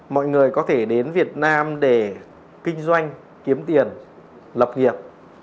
mọi người có thể đến việt nam để kinh doanh kiếm tiền lập nghiệp